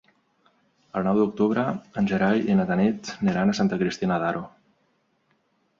El nou d'octubre en Gerai i na Tanit aniran a Santa Cristina d'Aro.